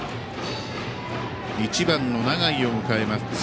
１番の永井を迎えます。